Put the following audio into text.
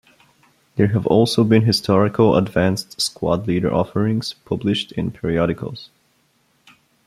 There have also been Historical Advanced Squad Leader offerings published in periodicals.